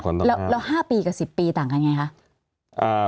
แล้ว๕ปีกับ๑๐ปีต่างกันไงคะ